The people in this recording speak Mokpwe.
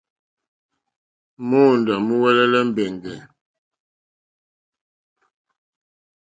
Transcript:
Móǒndá múúŋwɛ̀lɛ̀ mbɛ̀ŋgɛ̀.